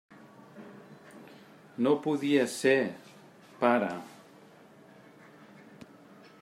No podia ser, pare!